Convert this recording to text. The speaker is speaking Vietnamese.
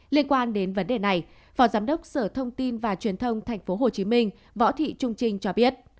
liên quan đến vấn đề này phó giám đốc sở thông tin và truyền thông tp hcm võ thị trung trinh cho biết